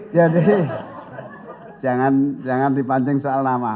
jadi jangan dipancing soal nama